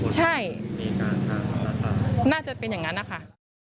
ใช่น่าจะเป็นอย่างนั้นนะคะ